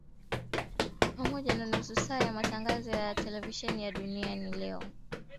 pamoja na nusu saa ya matangazo ya televisheni ya Duniani Leo